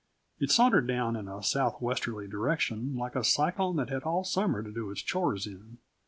It sauntered down in a southwesterly direction like a cyclone that had all summer to do its chores in.